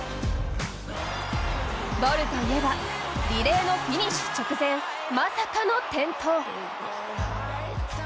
ボルといえば、リレーのフィニッシュ直前、まさかの転倒。